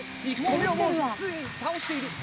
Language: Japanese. １個目をもうすでに倒している。